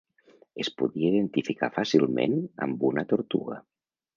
Es podia identificar fàcilment amb una tortuga.